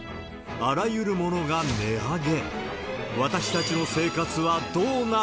あらゆるものが値上げ。